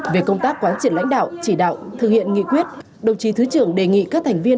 về công tác quán triệt lãnh đạo chỉ đạo thực hiện nghị quyết đồng chí thứ trưởng đề nghị các thành viên